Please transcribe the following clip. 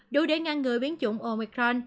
đủ để ngăn ngừa biến chủng omicron